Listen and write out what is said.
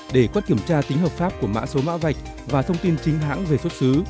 để quét kiểm tra tính hợp pháp của mã số mã vạch và thông tin chính hãng về xuất xứ